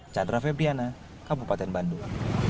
chandra febriana kabupaten bandung